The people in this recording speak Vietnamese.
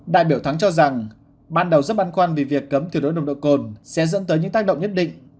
đại biểu thắng cho rằng ban đầu rất băn khoăn vì việc cấm tuyệt đối nồng độ cồn sẽ dẫn tới những tác động nhất định